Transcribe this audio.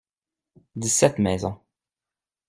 Dix-sept maisons.